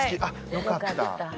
よかった。